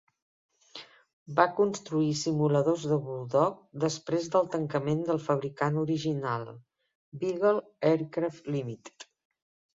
Va construir simuladors de Bulldog després del tancament del fabricant original, Beagle Aircraft Limited.